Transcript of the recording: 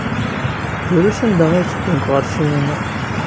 Drus anda ay tteddun ɣer ssinima.